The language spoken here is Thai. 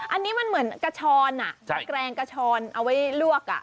อันนี้มันเหมือนกระชอนตะแกรงกระชอนเอาไว้ลวก